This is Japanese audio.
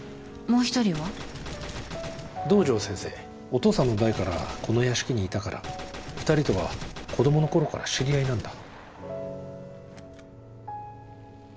お父さんの代からこの屋敷にいたから２人とは子供のころから知り合いなんだ。